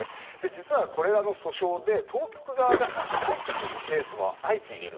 実はこれらの訴訟で当局側が敗訴するケースも相次いでいる。